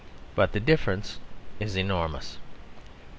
But the difference is enormous.